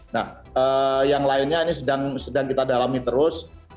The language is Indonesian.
nah yang lainnya ini sedang kita dalami terus